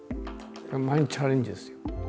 毎日チャレンジですよ。